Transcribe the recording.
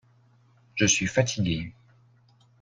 Je suis fatigué.